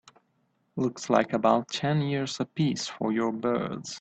Looks like about ten years a piece for you birds.